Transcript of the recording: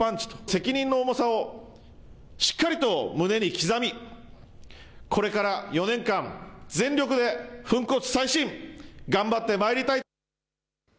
責任の重さをしっかりと胸に刻み、これから４年間、全力で粉骨砕身頑張ってまいりたい。